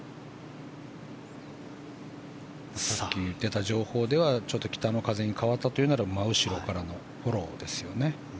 さっき言ってた情報ではちょっと北の風に変わったというなら真後ろからのフォローですよね。